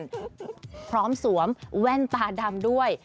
แหมแฟชั่นพร้อมสวมแว่นตาดำด้วย